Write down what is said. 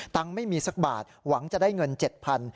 ตังค์ไม่มีสักบาทหวังจะได้เงิน๗๐๐๐